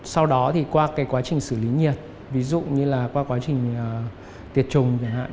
sau đó thì qua cái quá trình xử lý nhiệt ví dụ như là qua quá trình tiệt trùng chẳng hạn